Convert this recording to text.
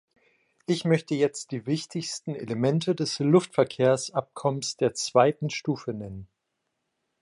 Ich möchte jetzt die wichtigsten Elemente des Luftverkehrsabkommens der zweiten Stufe nennen.